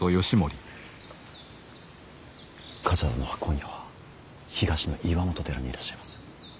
冠者殿は今夜は東の岩本寺にいらっしゃいます。